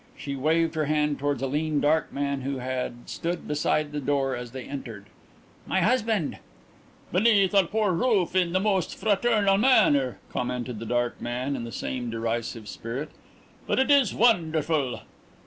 She waved her hand towards a lean, dark man who had stood beside the door as they entered. "My husband." "Beneath our poor roof in the most fraternal manner," commented the dark man, in the same derisive spirit. "But it is wonderful."